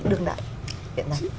đương đại hiện nay